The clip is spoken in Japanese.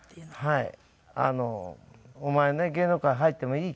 はい。